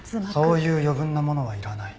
そういう余分なものはいらない。